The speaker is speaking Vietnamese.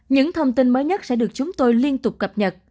những thông tin mới nhất sẽ được chúng tôi liên tục cập nhật